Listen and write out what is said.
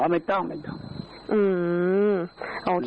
ไม่ต้องไม่ต้อง